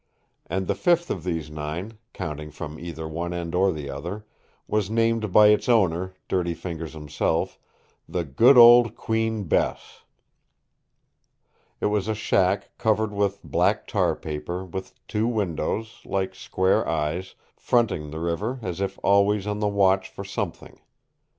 And the fifth of these nine, counting from either one end or the other, was named by its owner, Dirty Fingers himself, the Good Old Queen Bess. It was a shack covered with black tar paper, with two windows, like square eyes, fronting the river as if always on the watch for something.